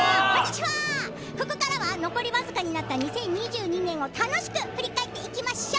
ここからは残り僅かになった２０２２年を楽しく振り返っていきましょう。